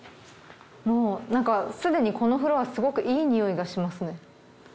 もうなんかすでにこのフロアすごくいいにおいがしますね。